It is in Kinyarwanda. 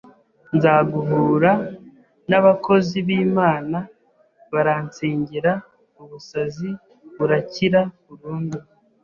nza guhura n abakozi b’Imana baransengera ubusazi burakira burundu.